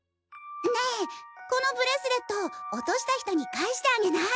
ねぇこのブレスレット落とした人に返してあげない？